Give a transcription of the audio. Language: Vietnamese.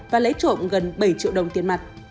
và lấy trộm gần bảy triệu đồng tiền mặt